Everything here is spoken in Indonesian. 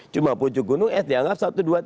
cuma pucuk gunung es dianggap satu dua tiga